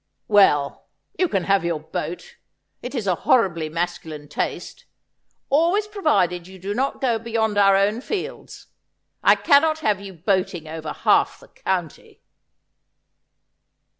' Well, you can have your boat — it is a horribly masculine taste — always provided you do not go beyond our own fields. I cannot have you boating over half the county.'